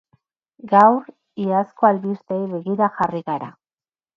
Gaur, iazko albisteei begira jarri gara.